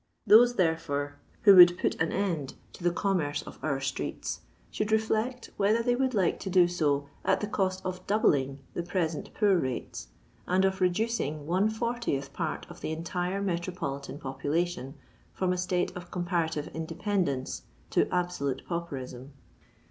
Those, therefore, who would put an end to the commerce of our streets, should reflect whether they would like to do so at the cost of doubling the present poor rates and of reducing one fortieth part of the entire metropolitan popu lation from a state of comparative independence to absolute pauperism.